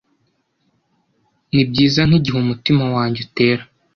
nibyiza nkigihe umutima wanjye utera